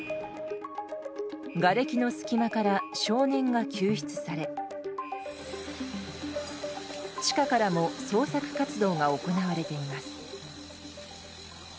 がれきの隙間から少年が救出され地下からも捜索活動が行われています。